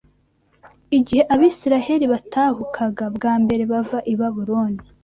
Igihe Abisirayeli batahukaga bwa mbere bava i Babuloni